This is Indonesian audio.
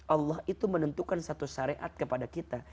allah itu menentukan satu syariat kepada kita